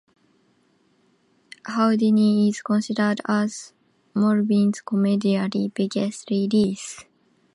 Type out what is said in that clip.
"Houdini" is considered as Melvins' commercially biggest release.